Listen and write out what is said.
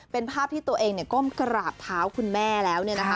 เป็นภาพที่ตัวเองก้มกราบเท้าคุณแม่แล้ว